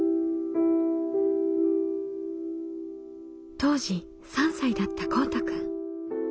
当時３歳だったこうたくん。